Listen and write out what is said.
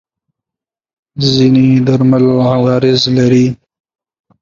ځینې درمل عوارض لري.